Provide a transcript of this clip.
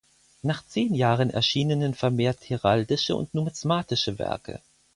Nach zehn Jahren erschienenen vermehrt heraldische und numismatische Werke.